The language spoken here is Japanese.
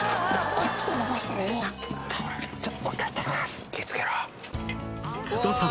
こっちで伸ばしたらええやん！